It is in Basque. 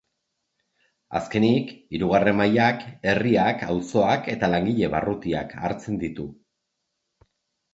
Azkenik, hirugarren mailak herriak, auzoak eta langile-barrutiak hartzen ditu.